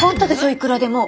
いくらでも。